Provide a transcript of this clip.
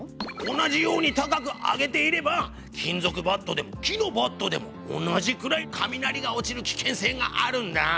同じように高く上げていれば金ぞくバットでも木のバットでも同じくらい雷が落ちる危険せいがあるんだ。